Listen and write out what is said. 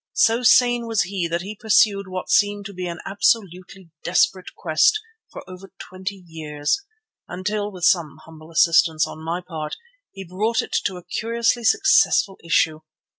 So sane was he that he pursued what seemed to be an absolutely desperate quest for over twenty years, until, with some humble assistance on my part, he brought it to a curiously successful issue.